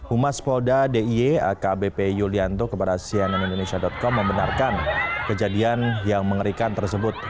umas polda d i e akbp yulianto kepada cnn indonesia com membenarkan kejadian yang mengerikan tersebut